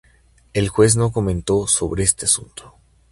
El juez no comentó sobre este asunto.